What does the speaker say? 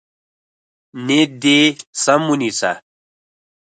نیت دې سم ونیسه.